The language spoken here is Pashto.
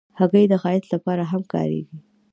هګۍ د ښایست لپاره هم کارېږي.